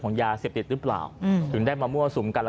ก็ได้พลังเท่าไหร่ครับ